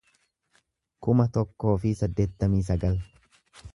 kuma tokkoo fi saddeettamii sagal